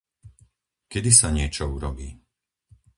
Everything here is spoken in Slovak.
Kedy sa niečo urobí?